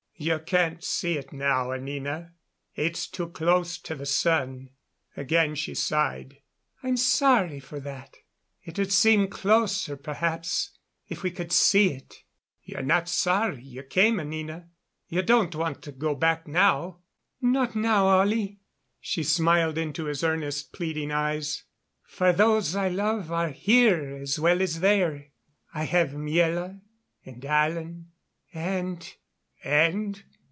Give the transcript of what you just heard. "You can't see it now, Anina. It's too close to the sun." Again she sighed. "I'm sorry for that. It would seem closer, perhaps, if we could see it." "You're not sorry you came, Anina? You don't want to go back now?" "Not now, Ollie." She smiled into his earnest, pleading eyes. "For those I love are here as well as there. I have Miela and Alan and " "And?"